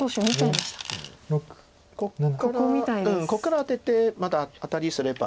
ここからアテてまだアタリすれば。